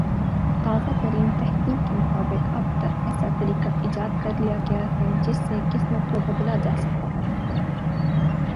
تازہ ترین تحقیق کے مطابق اب ایک ایسا طریقہ ایجاد کر لیا گیا ہے جس سے قسمت کو بدلہ جاسکتا ہے